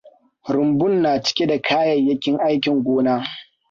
Rumbun na cike da kayayyakin aikin gona.